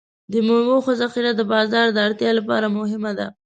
د میوو ښه ذخیره د بازار د اړتیا لپاره مهمه ده.